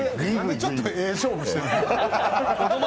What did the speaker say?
ちょっとええ勝負してる。